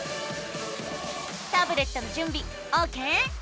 タブレットのじゅんびオーケー？